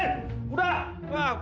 aaaah aduh kepala gua pusing nih